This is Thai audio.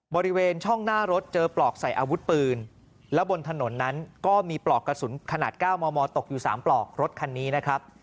บริเวณช่องหน้ารถเจอปลอกใส่อาวุธปืนแล้วบนถนนนั้นก็มีปลอกกระสุนขนาด๙มมตกอยู่๓ปลอกรถคันนี้นะครับ